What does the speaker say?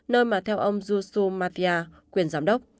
nơi mà theo ông yusuf matia quyền giám đốc